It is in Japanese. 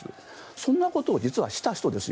そんなことを実はした人ですよ。